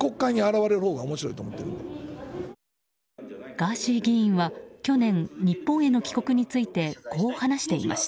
ガーシー議員は去年日本への帰国についてこう話していました。